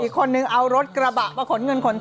คนหนึ่งเอารถกระบะมาขนเงินขนท